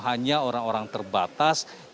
hanya orang orang terbatas